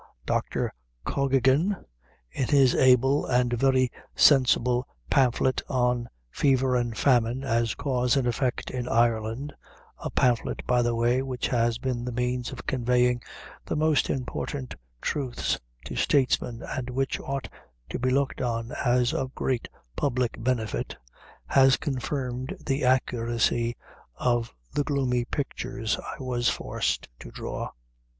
Dr. Cokkigan, in his able and very sensible pamphlet on "Fever and Famine as Cause and Effect in Ireland" a pamphlet, by the way, which has been the means of conveying most important truths to statesmen, and which ought to be looked on as a great public benefit has confirmed the accuracy of the gloomy pictures I was forced to draw.